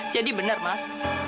jadi benar mas